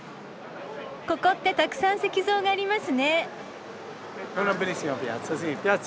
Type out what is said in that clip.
ここってたくさん石像がありますね？